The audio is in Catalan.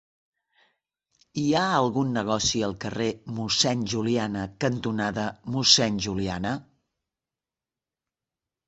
Hi ha algun negoci al carrer Mossèn Juliana cantonada Mossèn Juliana?